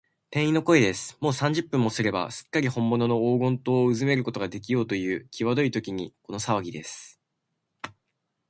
店員の声です。もう三十分もすれば、すっかりほんものの黄金塔をうずめることができようという、きわどいときに、このさわぎです。